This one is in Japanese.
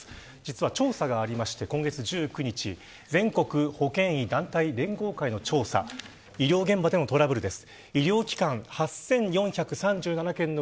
実は調査がありまして今月１９日全国保険医団体連合会の調査医療現場でのトラブルです。